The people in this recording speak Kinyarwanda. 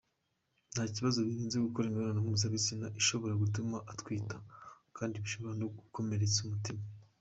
Nta bibazo birenze gukora imibonano mpuzabitsina ishobora gutuma utwita, kandi bishobora no kugukomeretsa umutima.